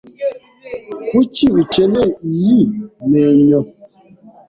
Kuki ukeneye iyi menyo?